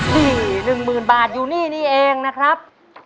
นี่หนึ่งหมื่นบาทอยู่นี่เองนะครับ